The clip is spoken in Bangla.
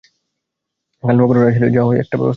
কাল নক্ষত্ররায় আসিলে যা হয় একটা ব্যবস্থা হইবে।